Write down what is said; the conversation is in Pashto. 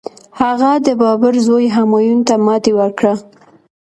هغه د بابر زوی همایون ته ماتي ورکړه.